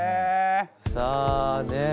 さあねえ